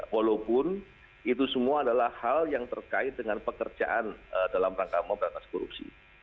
walaupun itu semua adalah hal yang terkait dengan pekerjaan dalam rangka memberantas korupsi